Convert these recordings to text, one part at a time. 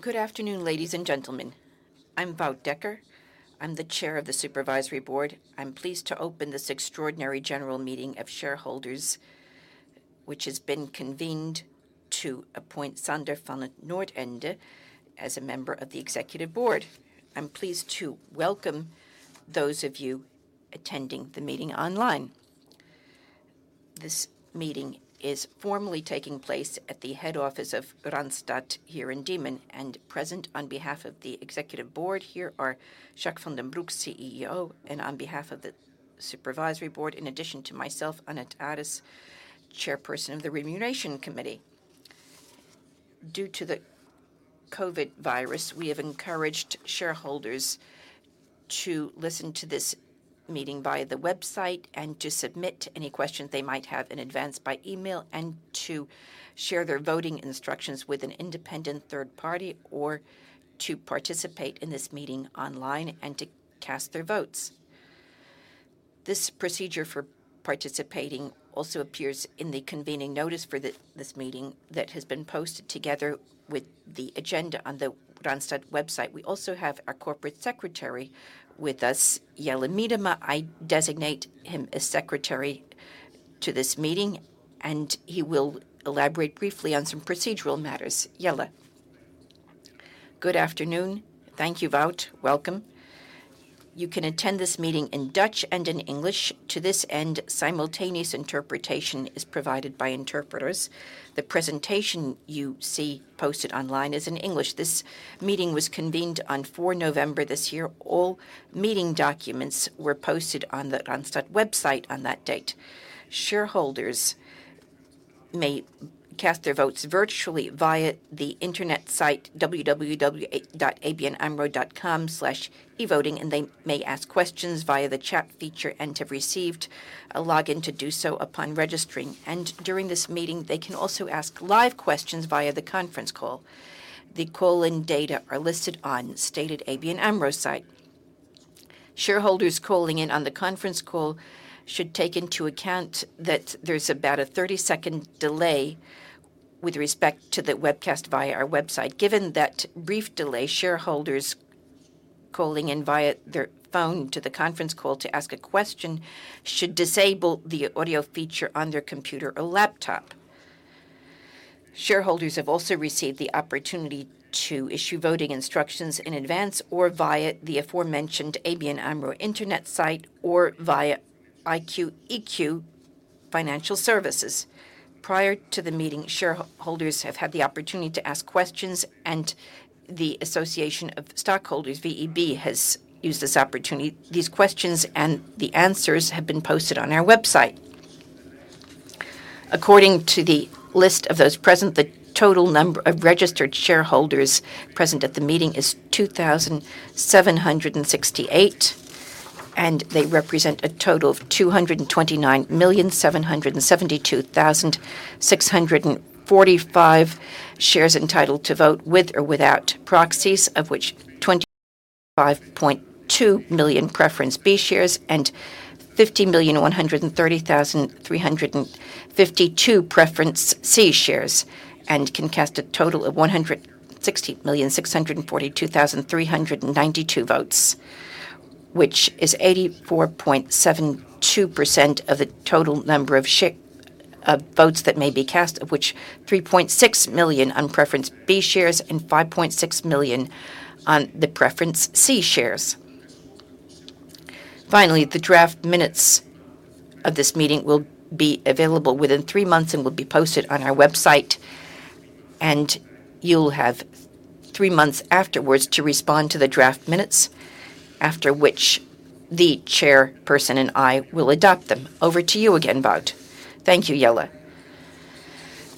Good afternoon, ladies and gentlemen. I'm Wout Dekker. I'm the Chair of the Supervisory Board. I'm pleased to open this extraordinary general meeting of shareholders, which has been convened to appoint Sander van 't Noordende as a member of the Executive Board. I'm pleased to welcome those of you attending the meeting online. This meeting is formally taking place at the head office of Randstad here in Diemen, and present on behalf of the Executive Board here are Jacques van den Broek, CEO, and on behalf of the Supervisory Board, in addition to myself, Annet Aris, Chair of the Remuneration Committee. Due to the COVID virus, we have encouraged shareholders to listen to this meeting via the website and to submit any questions they might have in advance by email and to share their voting instructions with an independent third party or to participate in this meeting online and to cast their votes. This procedure for participating also appears in the convening notice for this meeting that has been posted together with the agenda on the Randstad website. We also have our corporate secretary with us, Jelle Miedema. I designate him as secretary to this meeting, and he will elaborate briefly on some procedural matters. Jelle. Good afternoon. Thank you, Wout. Welcome. You can attend this meeting in Dutch and in English. To this end, simultaneous interpretation is provided by interpreters. The presentation you see posted online is in English. This meeting was convened on four November this year. All meeting documents were posted on the Randstad website on that date. Shareholders may cast their votes virtually via the internet site www.abnamro.com/evoting, and they may ask questions via the chat feature and have received a login to do so upon registering. During this meeting, they can also ask live questions via the conference call. The call-in data are listed on the stated ABN AMRO site. Shareholders calling in on the conference call should take into account that there's about a 30-second delay with respect to the webcast via our website. Given that brief delay, shareholders calling in via their phone to the conference call to ask a question should disable the audio feature on their computer or laptop. Shareholders have also received the opportunity to issue voting instructions in advance or via the aforementioned ABN AMRO internet site or via IQ EQ Financial Services. Prior to the meeting, shareholders have had the opportunity to ask questions, and the Dutch Investors' Association, VEB, has used this opportunity. These questions and the answers have been posted on our website. According to the list of those present, the total number of registered shareholders present at the meeting is 2,768, and they represent a total of 229,772,645 shares entitled to vote with or without proxies, of which 25.2 million preference B shares and 50,130,352 preference C shares and can cast a total of 160,642,392 votes, which is 84.72% of the total number of votes that may be cast, of which 3.6 million on preference B shares and 5.6 million on the preference C shares. Finally, the draft minutes of this meeting will be available within three months and will be posted on our website, and you'll have three months afterwards to respond to the draft minutes, after which the chairperson and I will adopt them. Over to you again, Wout. Thank you, Jelle.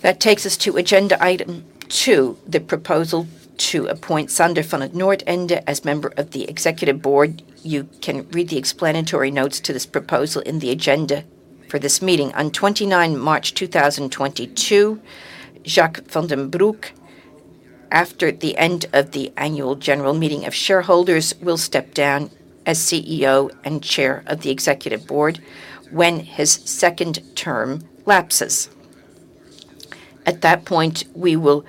That takes us to agenda item 2, the proposal to appoint Sander van 't Noordende as member of the Executive Board. You can read the explanatory notes to this proposal in the agenda for this meeting. On 29 March 2022, Jacques van den Broek, after the end of the Annual General Meeting of Shareholders, will step down as CEO and Chair of the Executive Board when his second term lapses. At that point, we will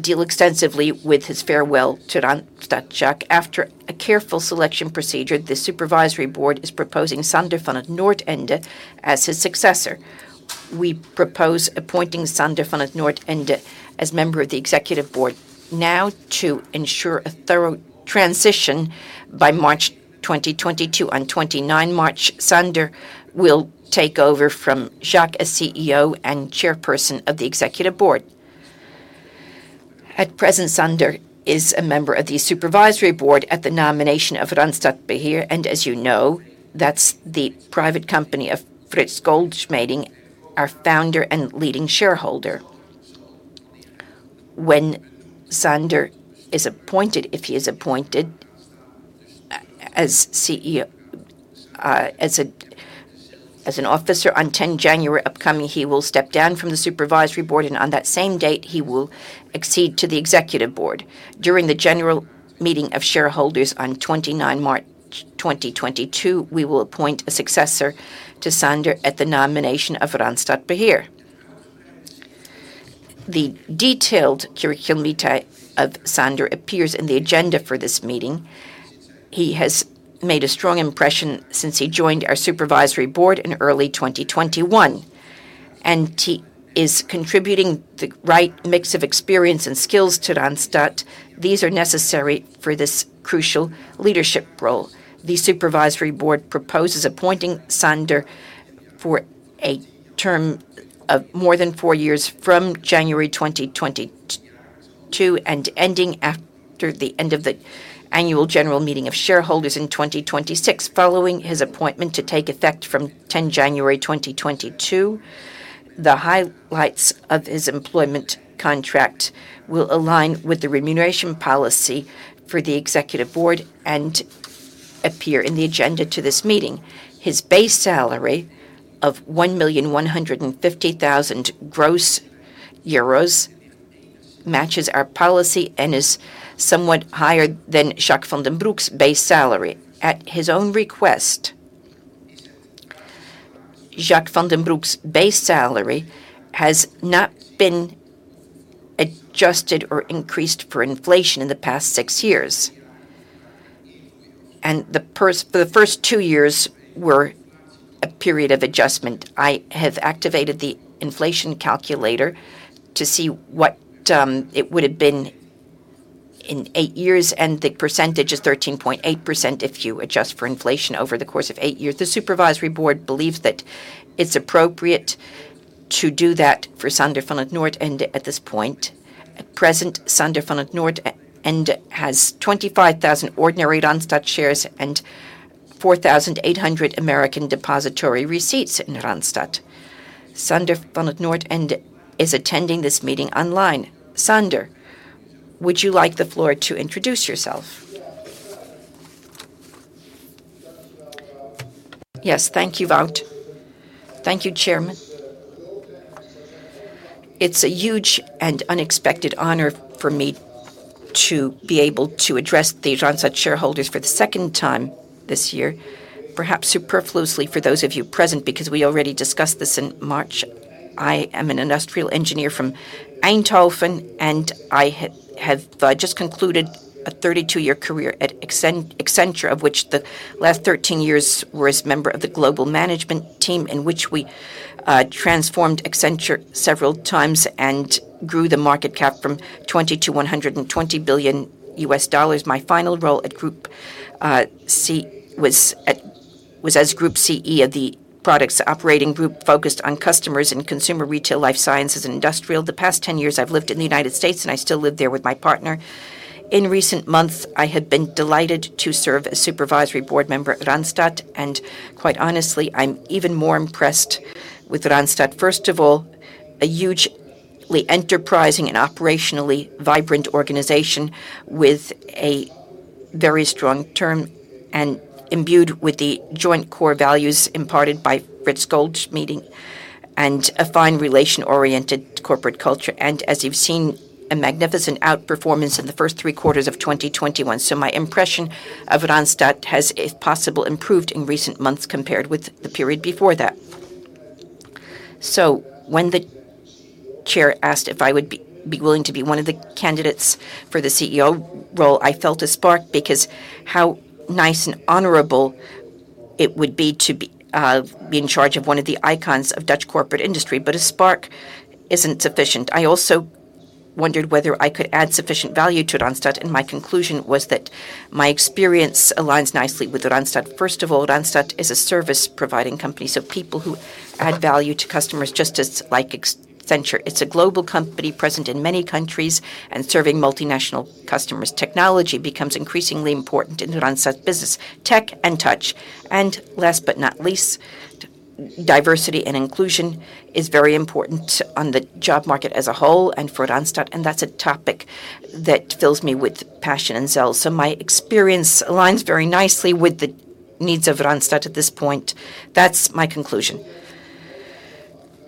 deal extensively with his farewell to Randstad. Jacques, after a careful selection procedure, the Supervisory Board is proposing Sander van 't Noordende as his successor. We propose appointing Sander van 't Noordende as member of the Executive Board now to ensure a thorough transition by March 2022. On 29 March, Sander will take over from Jacques as CEO and chairperson of the Executive Board. At present, Sander is a member of the Supervisory Board at the nomination of Randstad Beheer B.V., and as you know, that's the private company of Frits Goldschmeding, our founder and leading shareholder. When Sander is appointed, if he is appointed, as CEO on 10 January upcoming, he will step down from the Supervisory Board, and on that same date, he will accede to the Executive Board. During the General Meeting of Shareholders on 29 March 2022, we will appoint a successor to Sander at the nomination of Randstad Beheer B.V. The detailed curriculum vitae of Sander appears in the agenda for this meeting. He has made a strong impression since he joined our Supervisory Board in early 2021, and he is contributing the right mix of experience and skills to Randstad. These are necessary for this crucial leadership role. The Supervisory Board proposes appointing Sander for a term of more than four years from January 2022 and ending after the end of the Annual General Meeting of Shareholders in 2026. Following his appointment to take effect from 10 January 2022, the highlights of his employment contract will align with the Remuneration Policy for the Executive Board and appear in the agenda to this meeting. His base salary of 1,150,000 euros gross matches our policy and is somewhat higher than Jacques van den Broek's base salary. At his own request, Jacques van den Broek's base salary has not been adjusted or increased for inflation in the past six years. The first two years were a period of adjustment. I have activated the inflation calculator to see what, it would have been in eight years, and the percentage is 13.8% if you adjust for inflation over the course of eight years. The supervisory board believes that it's appropriate to do that for Sander van 't Noordende at this point. At present, Sander van 't Noordende has 25,000 ordinary Randstad shares and 4,800 American depositary receipts in Randstad. Sander van 't Noordende is attending this meeting online. Sander, would you like the floor to introduce yourself? Yes. Thank you, Wout. Thank you, Chairman. It's a huge and unexpected honor for me to be able to address the Randstad shareholders for the second time this year, perhaps superfluously for those of you present, because we already discussed this in March. I am an industrial engineer from Eindhoven, and I have just concluded a 32-year career at Accenture, of which the last 13 years were as member of the global management team, in which we transformed Accenture several times and grew the market cap from $20 billion-$120 billion. My final role at Group was as Group CEO of the products operating group focused on customers and consumer retail, life sciences and industrial. The past 10 years I've lived in the United States, and I still live there with my partner. In recent months, I have been delighted to serve as supervisory board member at Randstad, and quite honestly, I'm even more impressed with Randstad. First of all, a hugely enterprising and operationally vibrant organization with a very strong team and imbued with the joint core values imparted by Frits Goldschmeding and a fine relation-oriented corporate culture. As you've seen, a magnificent outperformance in the first three quarters of 2021. My impression of Randstad has, if possible, improved in recent months compared with the period before that. When the chair asked if I would be willing to be one of the candidates for the CEO role, I felt a spark because how nice and honorable it would be to be in charge of one of the icons of Dutch corporate industry, but a spark isn't sufficient. I also wondered whether I could add sufficient value to Randstad, and my conclusion was that my experience aligns nicely with Randstad. First of all, Randstad is a service-providing company, so people who add value to customers just like Accenture. It's a global company present in many countries and serving multinational customers. Technology becomes increasingly important in Randstad's business. Tech and Touch. Last but not least, diversity and inclusion is very important on the job market as a whole and for Randstad, and that's a topic that fills me with passion and zeal. My experience aligns very nicely with the needs of Randstad at this point. That's my conclusion.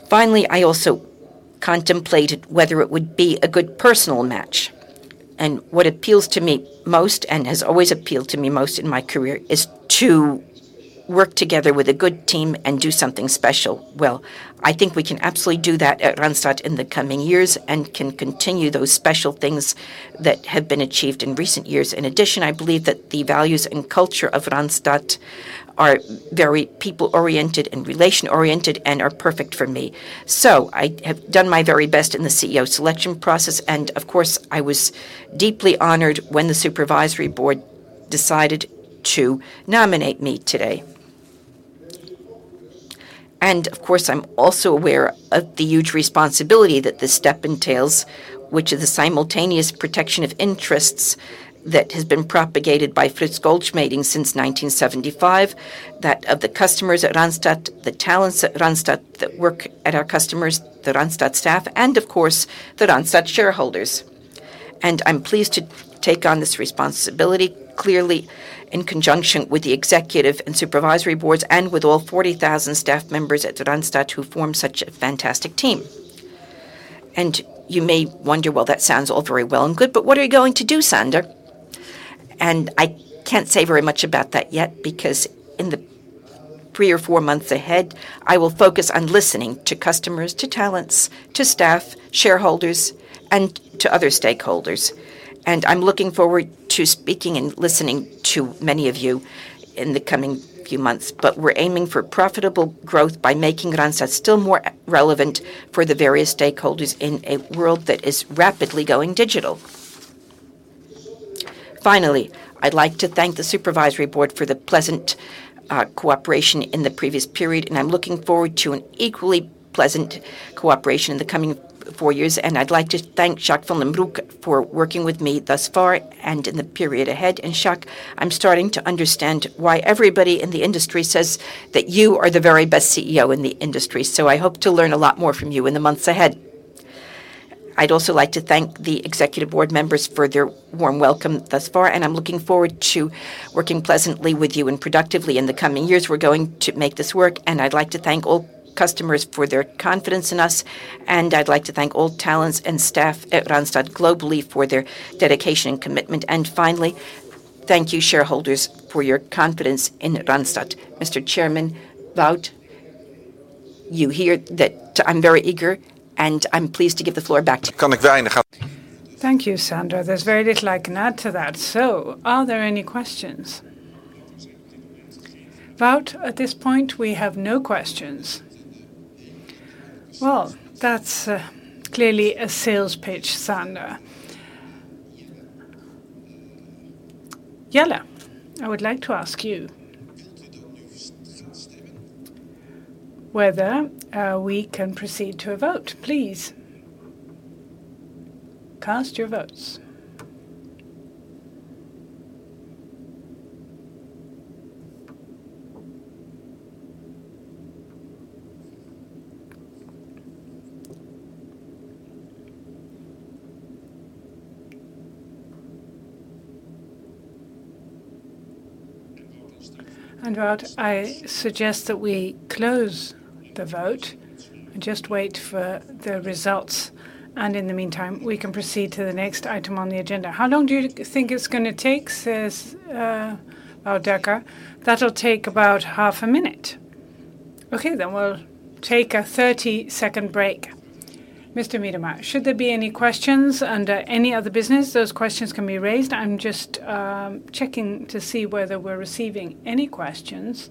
Finally, I also contemplated whether it would be a good personal match. What appeals to me most, and has always appealed to me most in my career, is to work together with a good team and do something special. Well, I think we can absolutely do that at Randstad in the coming years and can continue those special things that have been achieved in recent years. In addition, I believe that the values and culture of Randstad are very people-oriented and relation-oriented and are perfect for me. I have done my very best in the CEO selection process, and of course, I was deeply honored when the Supervisory Board decided to nominate me today. Of course, I'm also aware of the huge responsibility that this step entails, which is the simultaneous protection of interests that has been propagated by Frits Goldschmeding since 1975, that of the customers at Randstad, the talents at Randstad that work at our customers, the Randstad staff, and of course, the Randstad shareholders. I'm pleased to take on this responsibility, clearly in conjunction with the Executive and Supervisory Boards and with all 40,000 staff members at Randstad who form such a fantastic team. You may wonder, well, that sounds all very well and good, but what are you going to do, Sander? I can't say very much about that yet, because in the three or four months ahead, I will focus on listening to customers, to talents, to staff, shareholders, and to other stakeholders. I'm looking forward to speaking and listening to many of you in the coming few months. We're aiming for profitable growth by making Randstad still more relevant for the various stakeholders in a world that is rapidly going digital. Finally, I'd like to thank the supervisory board for the pleasant cooperation in the previous period, and I'm looking forward to an equally pleasant cooperation in the coming four years. I'd like to thank Jacques van den Broek for working with me thus far and in the period ahead. Jacques, I'm starting to understand why everybody in the industry says that you are the very best CEO in the industry. I hope to learn a lot more from you in the months ahead. I'd also like to thank the executive board members for their warm welcome thus far, and I'm looking forward to working pleasantly with you and productively in the coming years. We're going to make this work. I'd like to thank all customers for their confidence in us, and I'd like to thank all talents and staff at Randstad globally for their dedication and commitment. Finally, thank you, shareholders, for your confidence in Randstad. Mr. Chairman, Wout, you hear that I'm very eager, and I'm pleased to give the floor back to you. Thank you, Sander. There's very little I can add to that. Are there any questions? Wout, at this point we have no questions. Well, that's clearly a sales pitch, Sander. Jelle, I would like to ask you whether we can proceed to a vote, please. Cast your votes. Wout, I suggest that we close the vote and just wait for the results, and in the meantime, we can proceed to the next item on the agenda. How long do you think it's gonna take, says Derk? That'll take about half a minute. Okay, then we'll take a 30-second break. Mr. Miedema, should there be any questions under any other business, those questions can be raised. I'm just checking to see whether we're receiving any questions.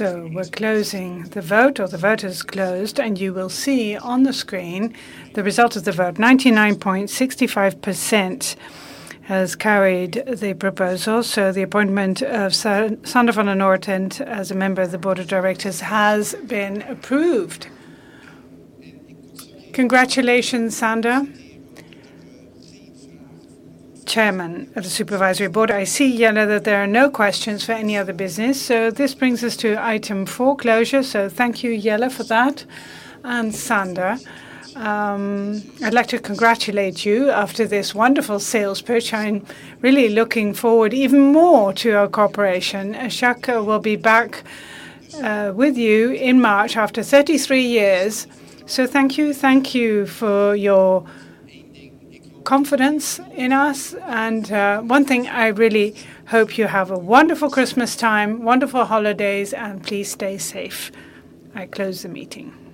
We're closing the vote, or the vote is closed, and you will see on the screen the result of the vote. 99.65% has carried the proposal, so the appointment of Sander van 't Noordende as a member of the board of directors has been approved. Congratulations, Sander. Chairman of the Supervisory Board. I see, Jelle, that there are no questions for any other business, so this brings us to item four, closure. Thank you, Jelle, for that. Sander, I'd like to congratulate you after this wonderful sales pitch. I'm really looking forward even more to our cooperation. Jacques will be back with you in March after 33 years. Thank you, thank you for your confidence in us. One thing, I really hope you have a wonderful Christmas time, wonderful holidays, and please stay safe. I close the meeting.